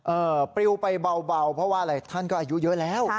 ปริวไปเบาเพราะว่าอะไรท่านก็อายุเยอะแล้ว